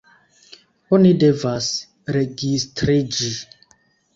Oni devas registriĝi.